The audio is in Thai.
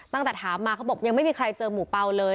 ตั้งแต่ถามมาเขาบอกยังไม่มีใครเจอหมูเปล่าเลย